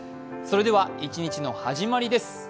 それでは一日の始まりです。